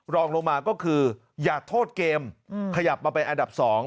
รองลงมาก็คืออย่าโทษเกมขยับมาเป็นอันดับ๒